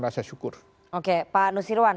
rasa syukur oke pak nusirwan